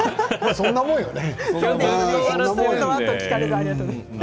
そんなもんよね。